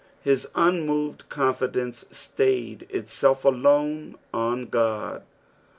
Hie unmored confldence stayed itnelf alone on Qod.